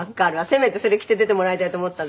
せめてそれ着て出てもらいたいと思ったでしょ？